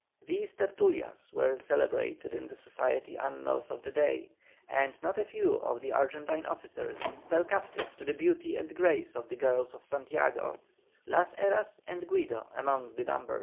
These "tertulias" were celebrated in the society annals of the day; and not a few of the Argentine officers fell captive to the beauty and grace of the girls of Santiago, Las Heras and Guido among the number.